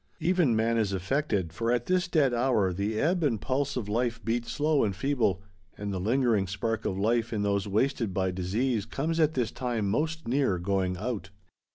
Even man is affected, for at this dead hour the ebb and pulse of life beat slow and feeble, and the lingering spark of life in those wasted by disease comes at this time most near going out.